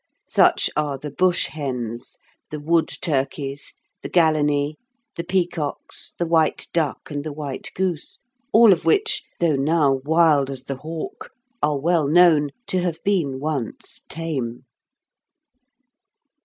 Such are the bush hens, the wood turkeys, the galenæ, the peacocks, the white duck and the white goose, all of which, though now wild as the hawk, are well known to have been once tame.